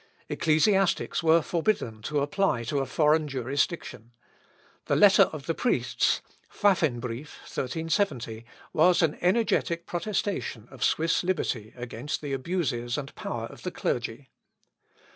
Ecclesiastics were forbidden to apply to a foreign jurisdiction. The "Letter of the Priests" (Pfaffenbrief, 1370) was an energetic protestation of Swiss liberty against the abuses and power of the clergy.